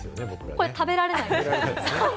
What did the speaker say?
これ食べられないです。